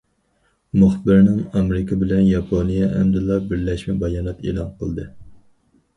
مۇخبىرنىڭ ئامېرىكا بىلەن ياپونىيە ئەمدىلا بىرلەشمە بايانات ئېلان قىلدى.